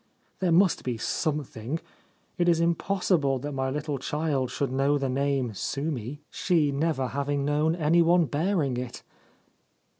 There must be something : it is impossible that my little child should know the name " Sumi," she never having known any one bearing it.'